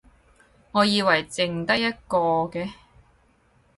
我以為剩得一個嘅